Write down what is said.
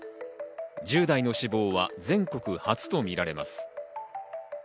１０代の死亡は全国初とみられます。